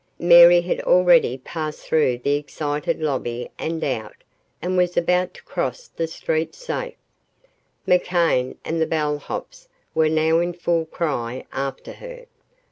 Mary had already passed through the excited lobby and out, and was about to cross the street safe. McCann and the bell hops were now in full cry after her.